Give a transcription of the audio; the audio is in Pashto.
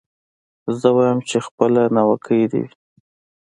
زه وايم چي خپله ناوکۍ دي وي